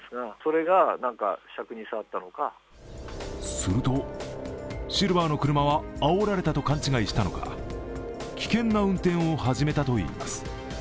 すると、シルバーの車はあおられたと勘違いしたのか危険な運転を始めたといいます。